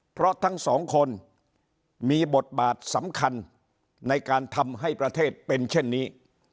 เพราะทั้งสองคนมีบทบาทสำคัญในการทำให้ประเทศเป็นเช่นนี้